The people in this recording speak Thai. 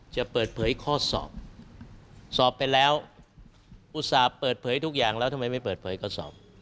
จะเปิดเผยข้อสอบสอบไปแล้วอุตส่าห์เปิดเผยทุกอย่างแล้วทำไมไม่เปิดเผยข้อสอบ